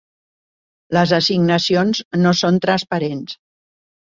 Les assignacions no són transparents.